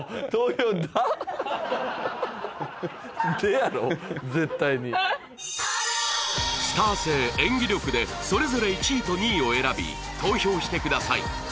やろ絶対にスター性演技力でそれぞれ１位と２位を選び投票してください